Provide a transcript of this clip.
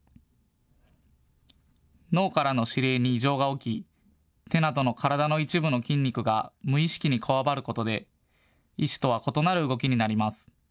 脳からの指令に異常が起き手などの体の一部の筋肉が無意識にこわばることで意思とは異なる動きになります。